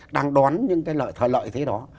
đang đón những cái lợi thế đó